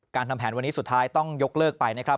ทำแผนวันนี้สุดท้ายต้องยกเลิกไปนะครับ